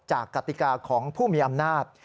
กติกาของผู้มีอำนาจ